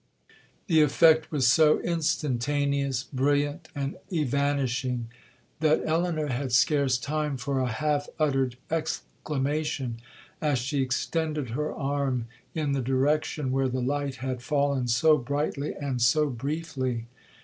The effect was so instantaneous, brilliant, and evanishing, that Elinor had scarce time for a half uttered exclamation, as she extended her arm in the direction where the light had fallen so brightly and so briefly.